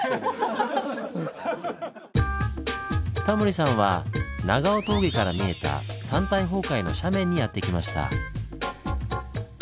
タモリさんは長尾峠から見えた山体崩壊の斜面にやって来ました。